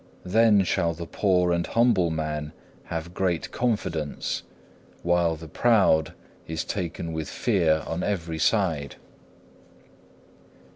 Then shall the poor and humble man have great confidence, while the proud is taken with fear on every side.